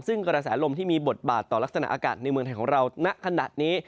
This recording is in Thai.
ซึ่งกระแสลมที่มีบทบาทต่อลักษณะอากาศในเมืองไทยของเราณขณะนี้